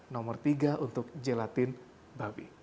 nomor tiga untuk gelatin babi